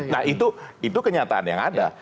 nah itu kenyataan yang ada